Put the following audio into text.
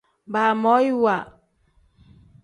Baamoyiwa.